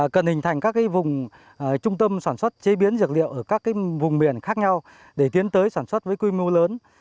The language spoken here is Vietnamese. cần hình thành các vùng trung tâm sản xuất chế biến dược liệu ở các vùng miền khác nhau để tiến tới sản xuất với quy mô lớn